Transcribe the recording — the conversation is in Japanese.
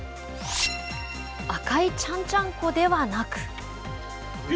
赤い「ちゃんちゃんこ」ではなく。